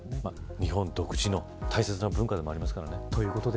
日本独自の大切な文化でもありますからね。